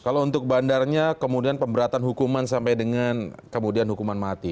kalau untuk bandarnya kemudian pemberatan hukuman sampai dengan kemudian hukuman mati